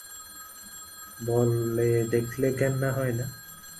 বলে, দেখলে ঘেন্না হয় না?